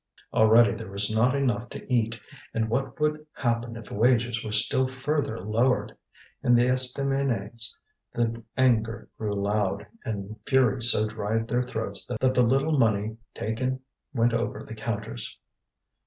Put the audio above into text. Already there was not enough to eat, and what would happen if wages were still further lowered? In the estaminets the anger grew loud, and fury so dried their throats that the little money taken went over the counters.